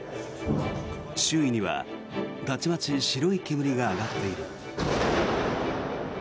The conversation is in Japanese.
周囲にはたちまち白い煙が上がっている。